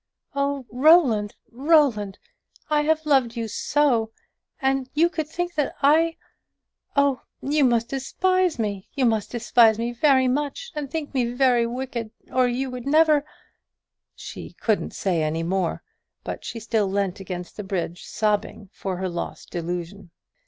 "Oh, Roland! Roland! I have loved you so and you could think that I . Oh, you must despise me you must despise me very much, and think me very wicked, or you would never " She couldn't say any more; but she still leant against the bridge, sobbing for her lost delusion.